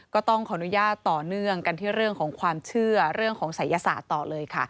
ก็ต้องขออนุญาตต่อเนื่องกันที่เรื่องของความเชื่อเรื่องของศัยศาสตร์ต่อเลยค่ะ